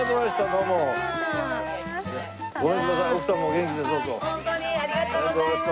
ホントにありがとうございます。